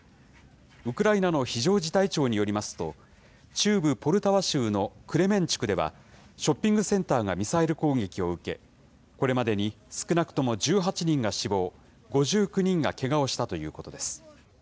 ウクライナの非常事態庁によりますと、中部ポルタワ州のクレメンチュクデは、ショッピングセンターがミサイル攻撃を受け、これまでに少なくとも１８人が死亡、５９人がけがをしたということです。